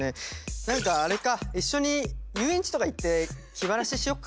何かあれか一緒に遊園地とか行って気晴らししよっか。